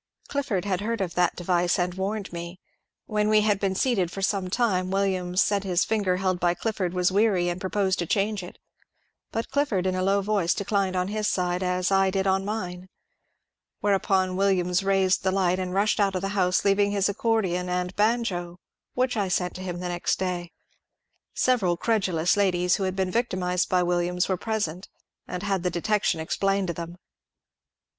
Clifford had heard of that device and warned me. When we had been seated for some time Williams said his finger held by Clifford was weary, and proposed to change it, but Clifford in a low voice declined on his side, as I did on mine. Whereupon Williams raised the light and rushed out of the house, leaving his accordeon and banjo, which I sent to him next day. Several credulous ladies who had been victimized by Williams were present, and had the detection explained to them.